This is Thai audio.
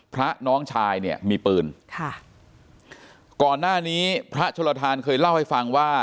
น้องชายเนี่ยมีปืนค่ะก่อนหน้านี้พระโชลทานเคยเล่าให้ฟังว่า